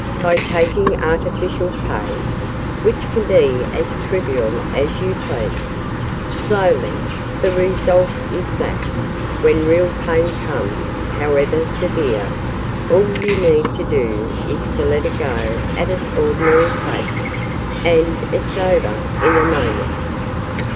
"By taking artificial pain which can be as trivial as you please slowly, the result is that, when real pain comes, however severe, all you need do is to let it go at its ordinary pace, and it's over in a moment!"